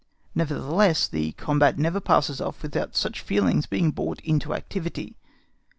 Nevertheless, the combat never passes off without such feelings being brought into activity.